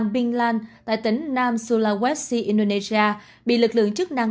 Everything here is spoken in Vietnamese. bộ truyền thông